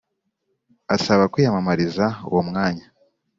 asaba kwiyamamariza uwo mwanya